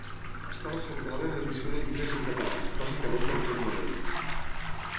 Estava centrada en l'edició de llibres en català, bàsicament d'autors novells.